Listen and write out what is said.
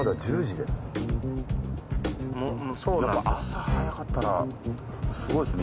でも朝早かったらすごいですね